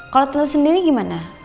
kalau tante sendiri gimana